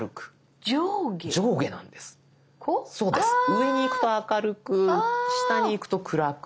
上にいくと明るく下にいくと暗く。